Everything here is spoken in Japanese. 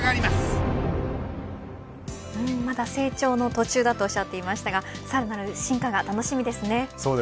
まだ成長の途中だとおっしゃっていましたがさらなる真価が楽しみです。